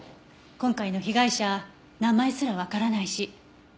今回の被害者名前すらわからないし。